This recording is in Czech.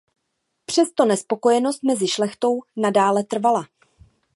Přesto nespokojenost mezi šlechtou nadále trvala.